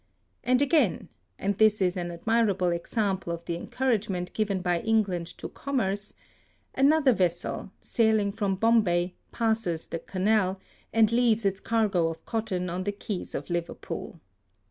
And again — and this is an admirable example of the encouragement given by England t6 commerce — another vessel, sailing from Bombay, passes the Canal, and leaves its cargo of cotton on the quays of Liverpool.